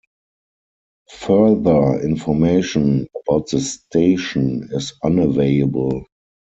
Further information about the station is unavailable.